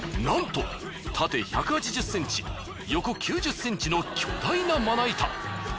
なんと縦１８０ｃｍ横９０ｃｍの巨大なまな板。